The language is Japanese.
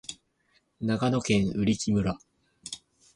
長野県売木村